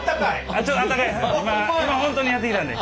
今本当にやってきたんで。